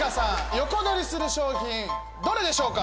横取りする賞品どれでしょうか？